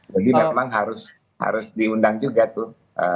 jadi memang harus diundang juga tuh